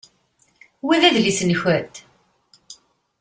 Wa d adlis-nkent?